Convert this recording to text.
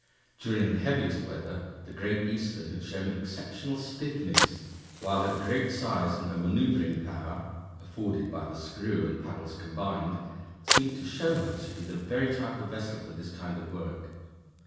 During the heaviest weather the Great Eastern had shown exceptional "stiffness," while her great size and her maneuvering power (afforded by the screw and paddles combined) seemed to show her to be the very type of vessel for this kind of work.